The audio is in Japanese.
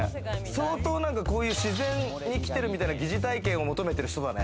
相当こういう自然に来てるみたいな疑似体験を求めてる人だね。